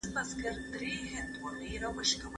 آيا موږ له تیرو تجربو زده کړه کوو؟